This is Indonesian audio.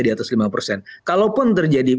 di atas lima persen kalaupun terjadi